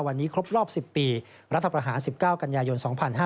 วันนี้ครบรอบ๑๐ปีรัฐประหาร๑๙กันยายน๒๕๕๙